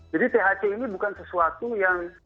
jadi thc ini bukan sesuatu yang